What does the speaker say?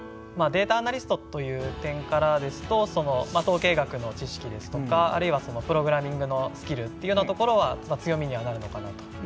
データアナリストという点からですと統計学の知識ですとかあるいはプログラミングのスキルっていうようなところは強みにはなるのかなと。